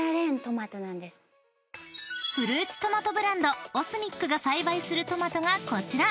［フルーツトマトブランドＯＳＭＩＣが栽培するトマトがこちら］